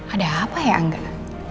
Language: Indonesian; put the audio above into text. ada apa ya enggak